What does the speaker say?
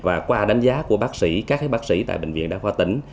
và qua đánh giá của bác sĩ các bác sĩ tại bệnh viện đa khoa tỉnh